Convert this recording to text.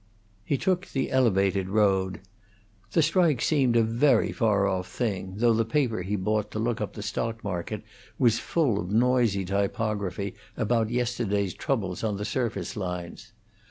He took the Elevated road. The strike seemed a vary far off thing, though the paper he bought to look up the stockmarket was full of noisy typography about yesterday's troubles on the surface lines.